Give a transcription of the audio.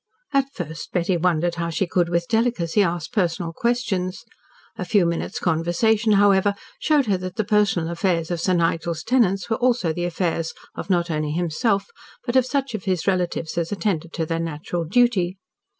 At first Betty wondered how she could with delicacy ask personal questions. A few minutes' conversation, however, showed her that the personal affairs of Sir Nigel's tenants were also the affairs of not only himself, but of such of his relatives as attended to their natural duty.